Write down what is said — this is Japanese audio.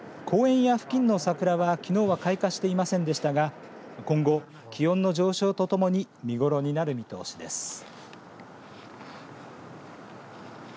公園や付近の桜は、きのうは開花していませんでしたが今後、気温の上昇とともに見頃になる見通しです。